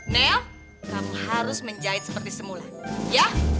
nel kamu harus menjahit seperti semula ya